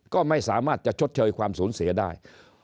ก็ไม่สามารถจะชดเชยความสูญเสียได้